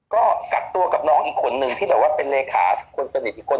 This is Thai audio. ก็กักตัวกับน้องอีกคนนึงที่แบบว่าเป็นเลขาคนสนิทอีกคน